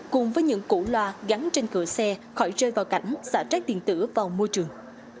cùng với những củ loa gắn trên cửa xe khỏi rơi vào cảnh xả trái điện tử vào môi trường